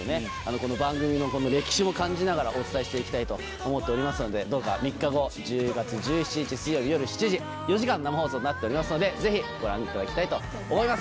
この番組の歴史も感じながらお伝えして行きたいと思っておりますのでどうか３日後１１月１７日水曜夜７時４時間生放送になっておりますのでぜひご覧いただきたいと思います